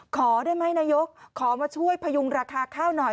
ขอได้ไหมนายกขอมาช่วยพยุงราคาข้าวหน่อย